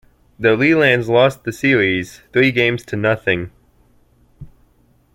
The Lelands lost the series, three games to nothing.